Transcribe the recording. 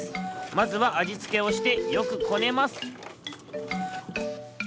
まずはあじつけをしてよくこねます